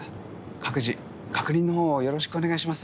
各自確認のほうをよろしくお願いします。